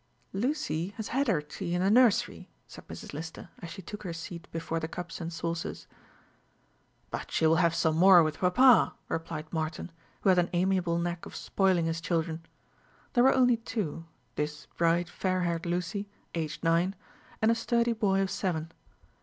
"Lucy has had her tea in the nursery," said Mrs. Lister, as she took her seat before the cups and saucers. "But she will have some more with papa," replied Martin, who had an amiable knack of spoiling his children. There were only two this bright fair haired Lucy, aged nine, and a sturdy boy of seven.